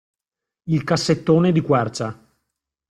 Il cassettone di quercia.